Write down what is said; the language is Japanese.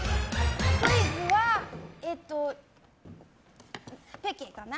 クイズはえっと、ぺけかな。